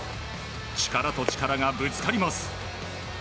力と力がぶつかります。